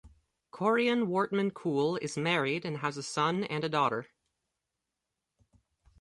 Corien Wortmann-Kool is married and has a son and a daughter.